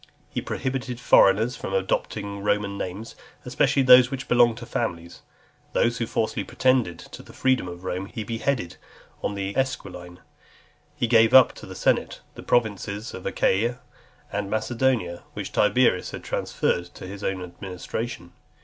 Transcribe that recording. He prohibited foreigners from adopting Roman names, especially those which belonged to families . Those who falsely pretended to the freedom of Rome, he beheaded on the Esquiline. He gave up to the senate the provinces of Achaia and Macedonia, which Tiberius had transferred to his own administration.